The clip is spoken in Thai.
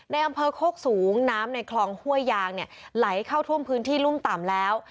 ในอำเภอโคกสูงน้ำในคลองห้วยยางเนี่ยไหลเข้าท่วมพื้นที่รุ่มต่ำแล้ว